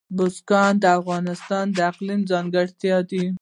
بزګان د افغانستان د اقلیم ځانګړتیا ده.